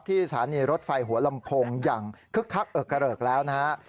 ที่ศาลีรถไฟหัวลำคงอย่างคึกคักเกลือกแล้วนะครับ